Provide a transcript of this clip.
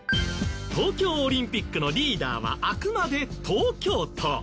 東京オリンピックのリーダーはあくまで東京都。